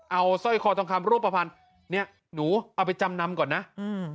เอาสร้อยคอทองคำรูปภัณฑ์เนี้ยหนูเอาไปจำนำก่อนนะอืม